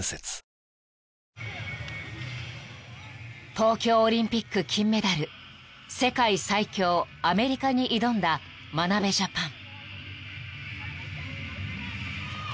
［東京オリンピック金メダル世界最強アメリカに挑んだ眞鍋ジャパン］